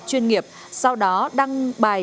chuyên nghiệp sau đó đăng bài